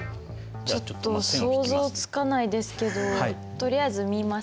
ちょっと想像つかないですけどとりあえず見ましょうか。